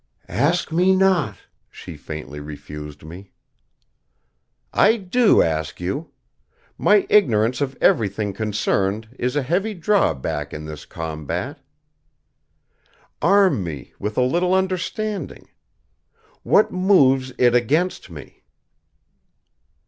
"Ask me not," she faintly refused me. "I do ask you. My ignorance of everything concerned is a heavy drawback in this combat. Arm me with a little understanding. What moves It against me?"